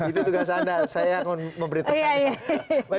itu tugas anda saya yang mau memberitahukan